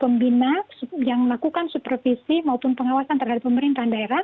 pembina yang melakukan supervisi maupun pengawasan terhadap pemerintahan daerah